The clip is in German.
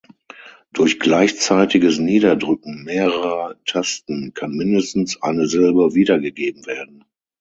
Durch gleichzeitiges Niederdrücken mehrerer Tasten kann mindestens eine Silbe wiedergegeben werden.